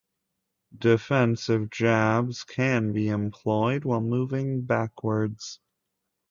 Defensive jabs can be employed while moving backwards.